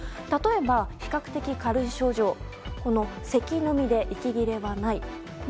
例えば、比較的軽い症状せきのみで息切れはない。